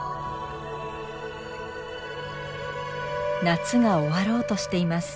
夏が終わろうとしています。